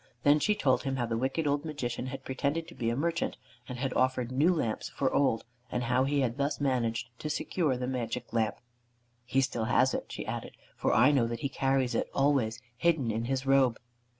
Then she told him how the wicked old Magician had pretended to be a merchant, and had offered new lamps for old, and how he had thus managed to secure the Magic Lamp. "He has it still," she added, "for I know that he carries it always, hidden in his robe."